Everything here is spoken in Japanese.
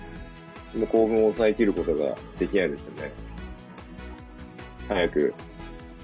興奮を抑えきることができないですね。